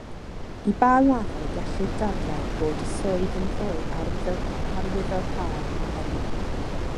I ba raddau gellir dadlau bod y swydd yn fwy arwyddocaol na hynny